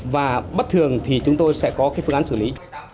và bất thường thì chúng tôi sẽ có cái phương án xử lý